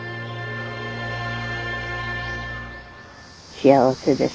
幸せです。